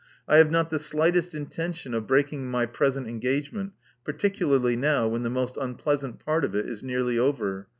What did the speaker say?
I have not the slightest intention of breaking my present engagement, particularly now, when the most unpleasant part of it is nearly over.